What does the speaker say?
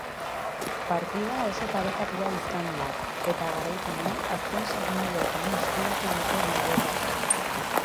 Partida oso parekatua izan da eta garaipena azken segundoetan eskuratu dute bilbotarrek.